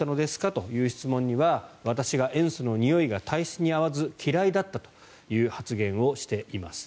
という質問には私が塩素のにおいが体質に合わず嫌いだったという発言をしています。